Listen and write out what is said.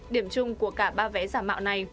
điểm chung của cả ba vé giả mạo này